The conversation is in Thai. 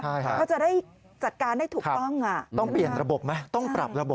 เขาจะได้จัดการได้ถูกต้อง